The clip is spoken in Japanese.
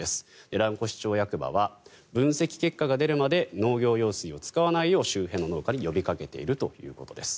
蘭越町役場は分析結果が出るまで農業用水を使わないよう周辺の農家に呼びかけているということです。